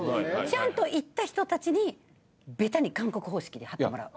ちゃんと行った人たちにベタに韓国方式で貼ってもらう。